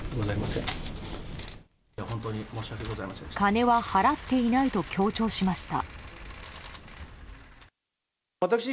金は払っていないと強調しました。